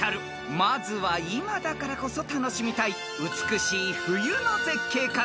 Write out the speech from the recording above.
［まずは今だからこそ楽しみたい美しい冬の絶景から出題］